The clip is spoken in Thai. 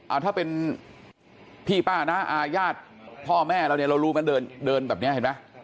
เอาถ้าเป็นพี่ป้านะอาญาติพ่อแม่เราเนี่ยเรารู้กันเดินเดินแบบนี้เห็นไหม